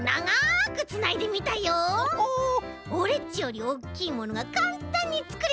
オレっちよりおおきいものがかんたんにつくれちゃった。